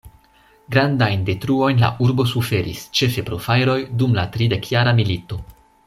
Grandajn detruojn la urbo suferis, ĉefe pro fajroj, dum la Tridekjara milito.